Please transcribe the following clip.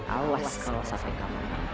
awas kalau sampai kemana